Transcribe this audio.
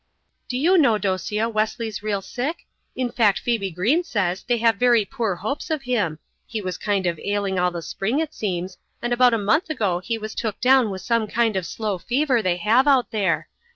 "Do you know, Dosia, Wesley's real sick? In fact, Phoebe Greene says they have very poor hopes of him. He was kind of ailing all the spring, it seems, and about a month ago he was took down with some kind of slow fever they have out there.